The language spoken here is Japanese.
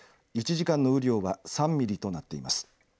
１時間の雨量は３ミリとなっています。